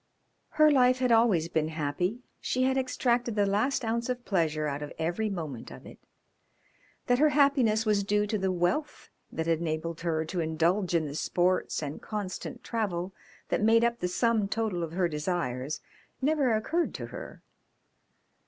Her life had always been happy; she had extracted the last ounce of pleasure out of every moment of it. That her happiness was due to the wealth that had enabled her to indulge in the sports and constant travel that made up the sum total of her desires never occurred to her.